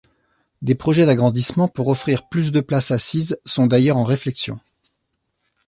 Des projets d’agrandissements pour offrir plus de places assises sont d’ailleurs en réflexion.